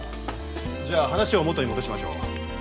じゃあ話を元に戻しましょう。